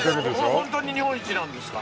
ホントに日本一なんですか？